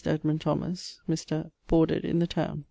Edmund Thomas; Mr. ......) boarded in the towne.